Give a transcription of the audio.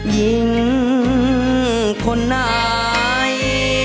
ยิงคนอาย